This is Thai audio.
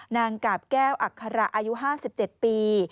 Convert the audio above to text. นางกาบแก้วอัคระอายุ๕๗ปี